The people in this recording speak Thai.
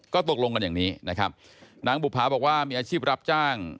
ก็ตกลงกันอย่างนี้นะครับนางบุภาบอกว่ามีอาชีพรับจ้าง